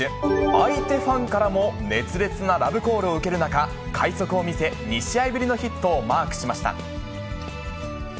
相手ファンからも熱烈なラブコールを受ける中、快足を見せ、２試合ぶりのヒットをマークしました。